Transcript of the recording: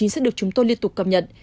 sẽ được chúng tôi liên tục cập nhận